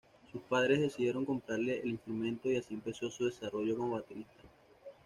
Sus padres decidieron comprarle el instrumento y así empezó su desarrollo como baterista.